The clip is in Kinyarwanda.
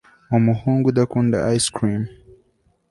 umuhungu udakunda ice cream